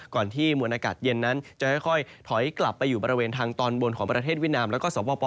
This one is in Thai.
ก่อนที่มวลอากาศเย็นนั้นจะค่อยถอยกลับไปอยู่บริเวณทางตอนบนของประเทศวิทยาลัมน์และก็สวพปลาว